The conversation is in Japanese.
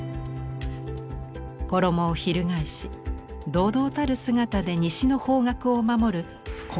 衣をひるがえし堂々たる姿で西の方角を守る広目天。